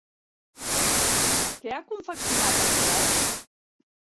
Què ha confeccionat el govern?